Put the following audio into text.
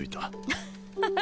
アハハハ。